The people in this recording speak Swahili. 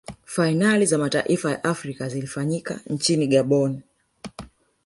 fainali za mataifa ya afrika zilifanyika nchini gabon